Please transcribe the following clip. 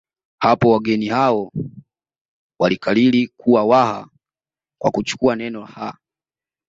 Hapo wageni hao walikariri kuwa Waha kwa kuchukua neno ha